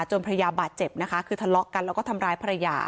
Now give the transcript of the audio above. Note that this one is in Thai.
ภรรยาบาดเจ็บนะคะคือทะเลาะกันแล้วก็ทำร้ายภรรยา